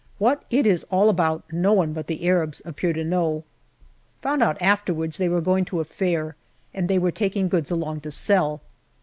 What it is all about no one but the Arabs appears to know. Found out afterwards they were going to a fair and they JULY 167 were taking goods along to sell.